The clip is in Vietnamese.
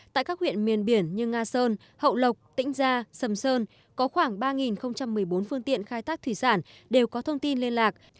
tại các huyện miền biển như nga sơn hậu lộc tĩnh gia sầm sơn có khoảng ba một mươi bốn phương tiện khai thác thủy sản đều có thông tin liên lạc